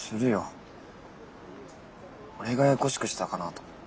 俺がややこしくしたかなと思って。